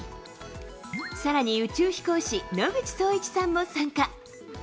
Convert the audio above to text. さらに宇宙飛行士、野口聡一さんも参加。